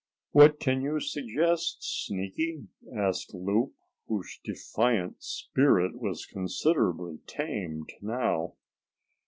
"What can you suggest, Sneaky?" asked Loup, whose defiant spirit was considerably tamed now.